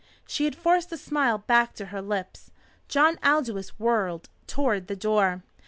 She had forced a smile back to her lips. John Aldous whirled toward the door.